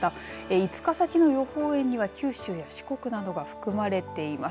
５日先の予報円には九州や四国などが含まれています。